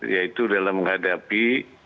yaitu dalam menghadapi